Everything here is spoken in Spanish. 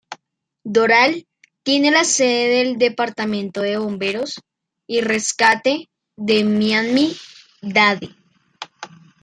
Doral tiene la sede del Departamento de Bomberos y Rescate de Miami-Dade.